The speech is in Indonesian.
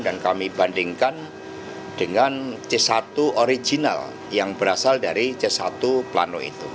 dan kami bandingkan dengan c satu original yang berasal dari c satu plano itu